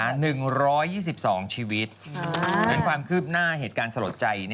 รับทราบ๑๒๒ชีวิตจนความคืบหน้าเหตุการณ์สะลดใจ